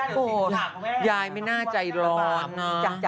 โอ้โหยายไม่น่าใจร้อนนะ